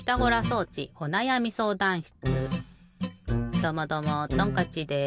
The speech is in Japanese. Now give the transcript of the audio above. どうもどうもトンカッチです！